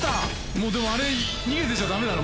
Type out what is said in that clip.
もうでもあれ、逃げてちゃ駄目だな。